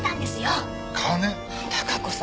貴子さん